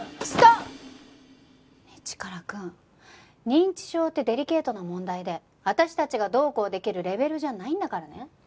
ストップ！ねえチカラくん認知症ってデリケートな問題で私たちがどうこうできるレベルじゃないんだからね。